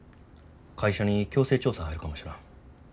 会社に強制調査入るかもしらん。